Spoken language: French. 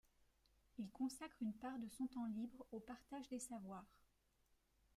Il consacre une part de son temps libre au partage des savoirs.